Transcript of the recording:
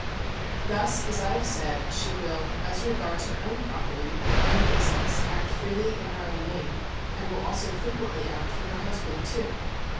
Thus, as I have said, she will, as regards her own property or her own business, act freely in her own name, and will also frequently act for her husband too.